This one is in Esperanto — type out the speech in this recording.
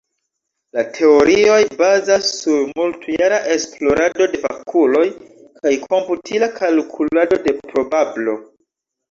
La teorioj bazas sur multjara esplorado de fakuloj kaj komputila kalkulado de probablo.